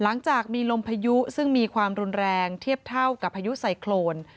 หลังจากมีลมพายุซึ่งมีความรุนแรงเทียบเท่ากับพายุไซโครน